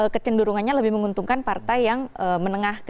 kecenderungannya lebih menguntungkan partai yang menengah